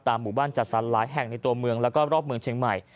หมู่บ้านจัดสรรหลายแห่งในตัวเมืองแล้วก็รอบเมืองเชียงใหม่